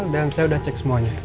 dan saya udah cek semuanya